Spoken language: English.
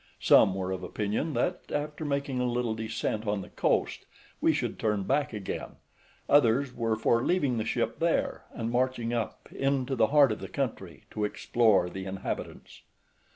Some were of opinion that, after making a little descent on the coast, we should turn back again; others were for leaving the ship there, and marching up into the heart of the country, to explore the inhabitants.